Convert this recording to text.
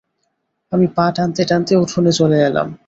আমি পা টানতে-টানতে উঠোনে চলে এলাম।